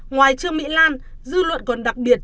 ngoài trường mỹ lan dư luận còn đặc biệt